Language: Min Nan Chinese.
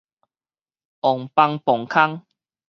旺邦磅空